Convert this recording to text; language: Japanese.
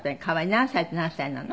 何歳と何歳なの？